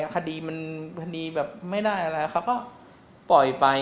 คดีมันไม่ได้อะไรเขาก็ปล่อยไป